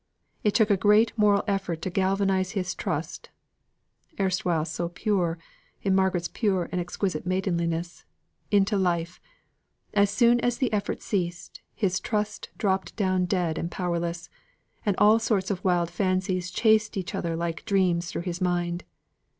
It took a great moral effort to galvanise his trust erewhile so perfect in Margaret's pure and exquisite maidenliness into life; as soon as the effort ceased, his trust dropped down dead and powerless: and all sorts of wild fancies chased each other like dreams, through his mind.